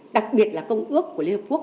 đặc biệt là công ước của liên hợp quốc